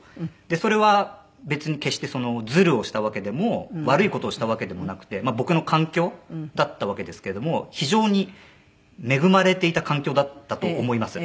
それは別に決してズルをしたわけでも悪い事をしたわけでもなくて僕の環境だったわけですけども非常に恵まれていた環境だったと思います。